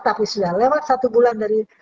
tapi sudah lewat satu bulan dari